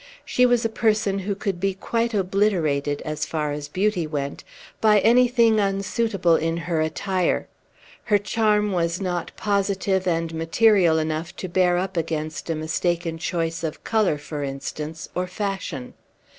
She was a person who could be quite obliterated, so far as beauty went, by anything unsuitable in her attire; her charm was not positive and material enough to bear up against a mistaken choice of color, for instance, or fashion.